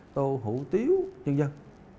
tô hủ tiếu nhân dân